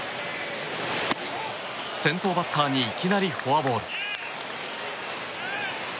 先頭バッターにいきなりフォアボール。